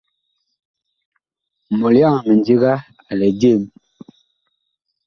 Mɔlyaŋ a mindiga a lɛ jem.